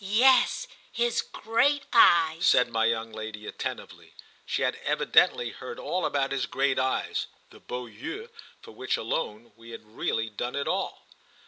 "Yes, his great eyes," said my young lady attentively. She had evidently heard all about his great eyes—the beaux yeux for which alone we had really done it all.